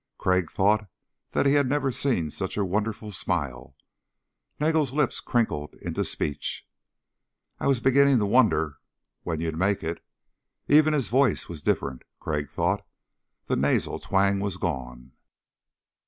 Crag thought that he had never seen such a wonderful smile. Nagel's lips crinkled into speech: "I was beginning to wonder when you'd make it." Even his voice was different, Crag thought. The nasal twang was gone.